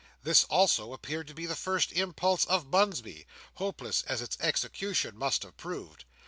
This also appeared to be the first impulse of Bunsby, hopeless as its execution must have proved.